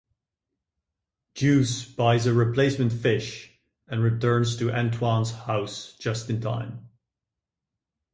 Deuce buys a replacement fish and returns to Antoine's house just in time.